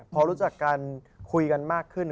พอรู้จักกันคุยกันมากขึ้น